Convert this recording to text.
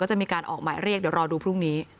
จะมีการออกหมายเรียกเดี๋ยวรอดูพรุ่งนี้